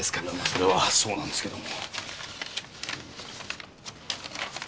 それはそうですけども。